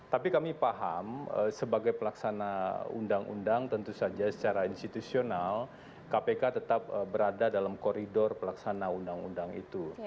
tapi kami paham sebagai pelaksana undang undang tentu saja secara institusional kpk tetap berada dalam koridor pelaksana undang undang itu